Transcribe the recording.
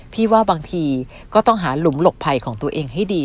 ว่าบางทีก็ต้องหาหลุมหลบภัยของตัวเองให้ดี